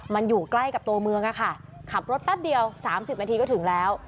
มันอยู่ใกล้กับตัวเมืองอะค่ะขับรถแป๊บเดียว๓๐นาทีก็ถึงแล้ว